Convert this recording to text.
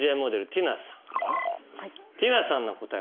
ティナさんの答え